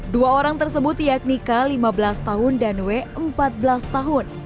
dua orang tersebut yakni k lima belas tahun dan w empat belas tahun